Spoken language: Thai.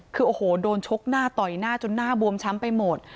คือโอ้โหโดนชกหน้าต่อยหน้าจนหน้าบวมช้ำไปหมด